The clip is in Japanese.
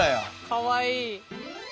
かわいい。